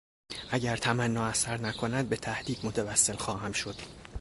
اگر تمنا اثر نکند به تهدید متوسل خواهم شد.